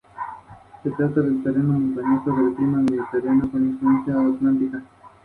La canción tuvo muy buena aceptación por parte de los críticos.